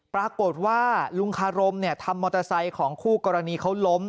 ปรากฏว่าลุงคารมทำมอเตอร์ไซค์ของคู่กรณีเขาล้ม